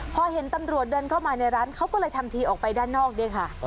พอเห็นตำรวจเดินเข้ามาในร้านเขาก็เลยทำทีออกไปด้านนอกด้วยค่ะ